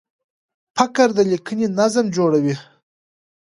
فقره د لیکني نظم جوړوي.